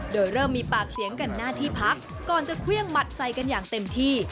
โดยเริ่มมีปากเสียงกันหน้าที่พักก่อนจะเครื่องหมัดใส่กันอย่างเต็มที่